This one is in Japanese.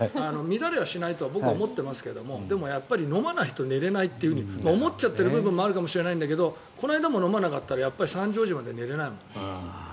乱れはしないと僕思ってますけどでも、飲まないと寝れないって思っちゃっている部分もあるのかもしれないけどこの間も飲まなかったらやっぱり３時、４時まで寝れないもん。